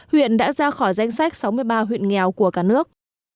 huyện đã ra khỏi danh sách sáu mươi ba huyện nghèo của cả nước